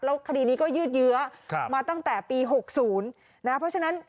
แล้วคดีนี้ก็ยืดยื้อฮ่ะมาตั้งแต่ปีหกศูนย์นะเพราะฉะนั้น